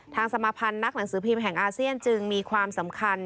สมาภัณฑ์นักหนังสือพิมพ์แห่งอาเซียนจึงมีความสำคัญ